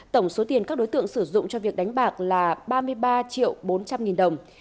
tổng số tiền các đối tượng sử dụng cho việc đánh bạc là ba mươi ba triệu bốn trăm linh nghìn đồng